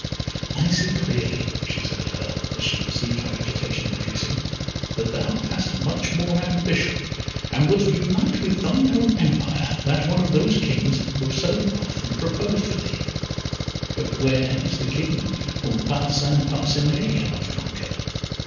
"I see clearly," she said to her, as she perceived her agitation increasing, "that thou hast much more ambition, and wouldst unite with thine own empire that of one of those kings who have so often proposed for thee; but where is the King whom Parcin Parcinet cannot conquer?